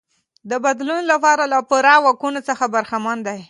د بدلون لپاره له پوره واکونو څخه برخمن دی.